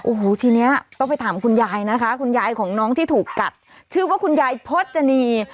โอ้โหทีเนี้ยต้องไปถามคุณยายนะคะคุณยายของน้องที่ถูกกัดชื่อว่าคุณยายพจนี